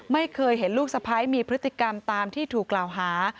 ไม่เคยเห็นลูกสะพ้ายมีพฤติกรรมตามที่ถูกกล่าวหา